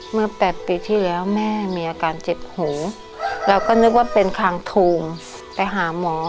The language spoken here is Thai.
๘ปีที่แล้วแม่มีอาการเจ็บหูเราก็นึกว่าเป็นคางโทงไปหาหมอ